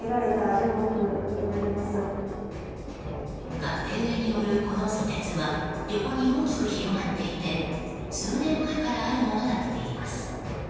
勝手植えによる、このソテツは横に大きく広がっていて数年前からあるものだといいます。